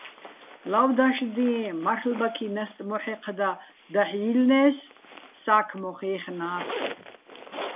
ლავ დაშდიეჼ, მარლ'ბაქი ნასტ მოჰ̦ეჴდა დაჰ̦ ჲი́ლნე́ს, სა́ქმონ ჲაჲხნა́ს.